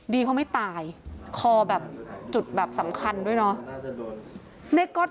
เขาไม่ตายคอแบบจุดแบบสำคัญด้วยเนาะ